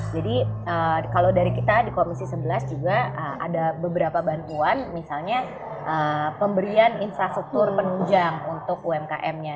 jadi kalau dari kita di komisi sebelas juga ada beberapa bantuan misalnya pemberian infrastruktur penunjang untuk umkmnya